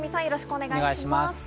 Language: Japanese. よろしくお願いします。